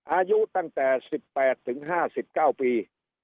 อายุตั้งแต่๑๘ถึง๕๙ปี